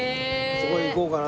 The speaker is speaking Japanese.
そこへ行こうかなと。